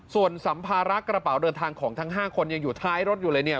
ส่วนสัมภาระกระเป๋าเดินทางของทั้ง๕คนยังอยู่ท้ายรถอยู่เลยเนี่ย